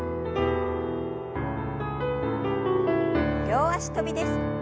両脚跳びです。